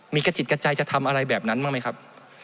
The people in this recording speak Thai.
มีกระจิตกระใจจะทำอะไรแบบนั้นบ้างไหมครับ